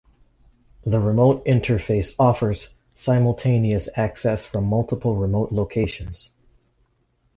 The remote interface offers simultaneous access from multiple remote locations.